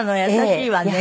優しいわね。